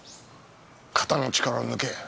肩の力を抜け！